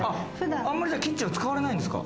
あんまりキッチンを使われないんですか？